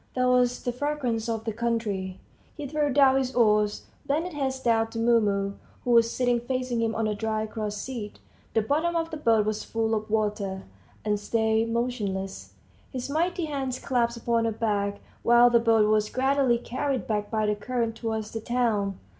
There was the fragrance of the country. He threw down his oars, bent his head down to Mumu, who was sitting facing him on a dry cross seat the bottom of the boat was full of water and stayed motionless, his mighty hands clasped upon her back, while the boat was gradually carried back by the current towards the town.